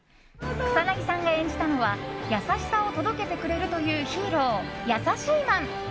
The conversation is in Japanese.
草なぎさんが演じたのは優しさを届けてくれるというヒーロー、やさしいマン。